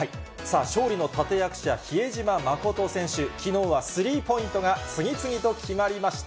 勝利の立て役者、比江島慎選手、きのうはスリーポイントが次々と決まりました。